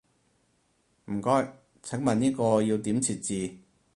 唔該，請問呢個要點設置？